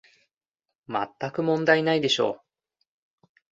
まったく問題ないでしょう